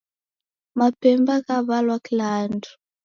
Mapemba ghaw'alwa kila andu